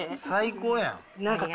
最高やん。